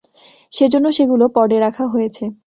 সেজন্য সেগুলো পডে রাখা হয়েছে।